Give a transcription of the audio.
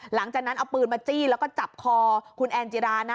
หลังจากนั้นเอาปืนมาจี้แล้วก็จับคอคุณแอนจิรานะ